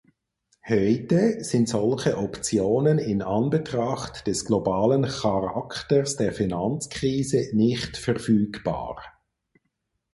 Heute sind solche Optionen in Anbetracht des globalen Charakters der Finanzkrise nicht verfügbar.